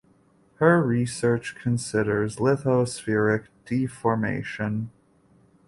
Her research considers lithospheric deformation.